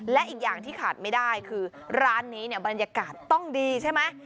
และอีกอย่างที่ขาดไม่ได้คือร้านนี้เนี่ยบรรยากาศต้องดีใช่ไหม